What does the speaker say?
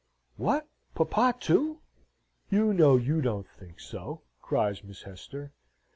"What, papa too? You know you don't think so," cries Miss Hester.